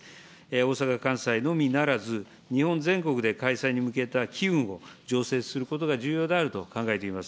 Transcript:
大阪・関西のみならず、日本全国で開催に向けた機運を醸成することが重要であると考えています。